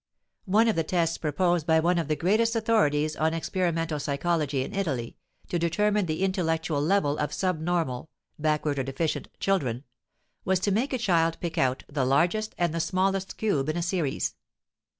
One of the tests proposed by one of the greatest authorities on experimental psychology in Italy, to determine the intellectual level of sub normal (backward or deficient) children, was to make a child pick out the largest and the smallest cube in a series.